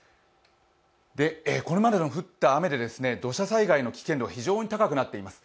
これまで降った雨で土砂災害の危険度が非常に高くなっています。